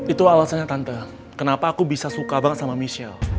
itu alasannya tante kenapa aku bisa suka banget sama michelle